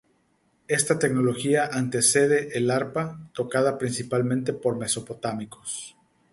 Esta tecnología antecede al arpa, tocada principalmente por mesopotámicos.